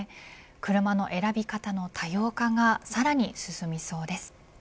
車の選び方の多様化がさらに進みそうです。